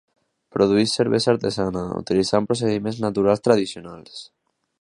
Produeix cervesa artesana, utilitzant procediments naturals tradicionals.